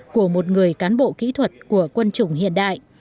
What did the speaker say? của một người cán bộ kỹ thuật của quân chủng hiện đại